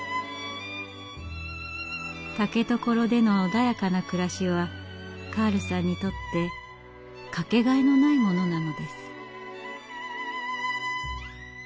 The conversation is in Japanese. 竹所での穏やかな暮らしはカールさんにとってかけがえのないものなのです。